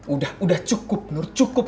udah udah cukup nur cukup